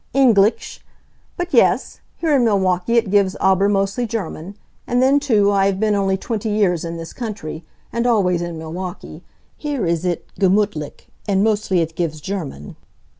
"Englisch? But yes. Here in Milwaukee it gives aber mostly German. And then too, I have been only twenty years in this country. And always in Milwaukee. Here is it gemutlich and mostly it gives German."